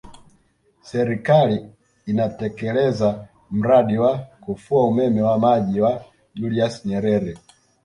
Serikali inatekeleza mradi wa kufua umeme wa maji wa Julius Nyerere